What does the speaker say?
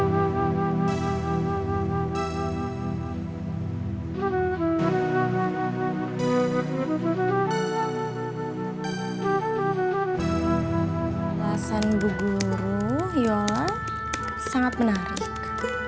bahasan bu guru yola sangat menarik